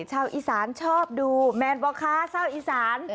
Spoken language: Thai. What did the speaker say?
ชาวอีสานชอบดูแมนบอกคะชาวอีสาน